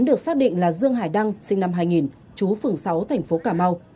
được xác định là dương hải đăng sinh năm hai nghìn chú phường sáu thành phố cà mau